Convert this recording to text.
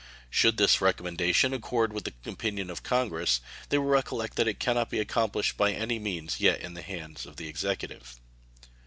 Should this recommendation accord with the opinion of Congress, they will recollect that it can not be accomplished by any means yet in the hands of the Executive.